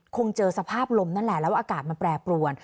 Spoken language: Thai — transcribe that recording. คงเจอสภาพลมนั่นแหละแล้วอากาศมันแปรปรวน